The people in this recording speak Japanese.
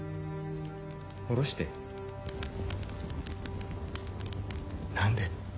おろして何で？